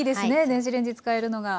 電子レンジ使えるのが。